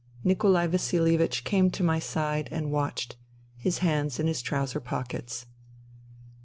? Nikolai Vasilievich came to my side and watched, his hands in his trouser pockets.